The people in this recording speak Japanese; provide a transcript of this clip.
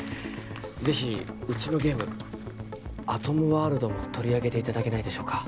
ぜひうちのゲームアトムワールドも取り上げていただけないでしょうか？